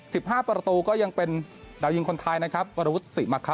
สิบห้าประตูก็ยังเป็นดาวยิงคนไทยนะครับวรวุฒิศรีมะคะ